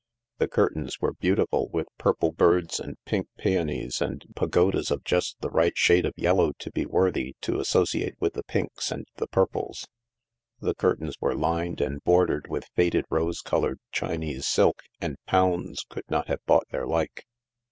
The curtains were beautiful, with purple birds and pink peonies and pagodas of just the right shade of yellow to be worthy to associate with the pinks and the purples. The curtains were lined and bordered with faded rose coloured Chinese silk, and pounds could not have bought their like.